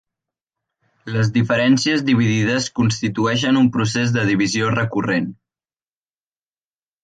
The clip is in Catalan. Les diferències dividides constitueixen un procés de divisió recurrent.